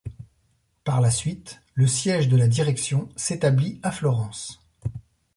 Par la suite, le siège de la direction s'établit à Florence.